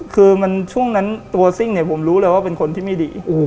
คือช่วงนั้นตัวซิ่งเนี่ยผมรู้เลยว่าเป็นคนที่ไม่ดี